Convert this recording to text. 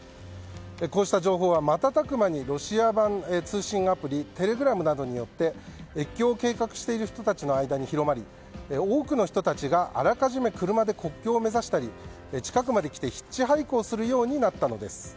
こうした情報は瞬く間にロシア版通信アプリテレグラムなどによって越境を計画している人たちの間に広がり多くの人たちがあらかじめ車で国境を目指したり近くまで来てヒッチハイクをするようになったのです。